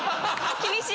厳しい！